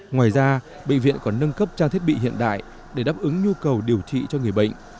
ngoài ra bệnh viện còn nâng cấp trang thiết bị hiện đại để đáp ứng nhu cầu điều trị cho người bệnh